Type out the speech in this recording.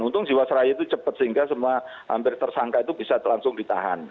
untung jiwasraya itu cepat sehingga semua hampir tersangka itu bisa langsung ditahan